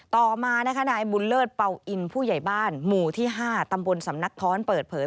ต่อมานะคะนายบุญเลิศเป่าอินผู้ใหญ่บ้านหมู่ที่๕ตำบลสำนักค้อนเปิดเผย